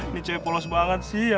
ini cewek polos banget sih ya